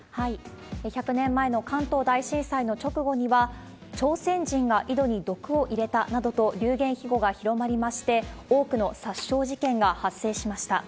１００年前の関東大震災の直後には、朝鮮人が井戸に毒を入れたなどと、流言飛語が広まりまして、多くの殺傷事件が発生しました。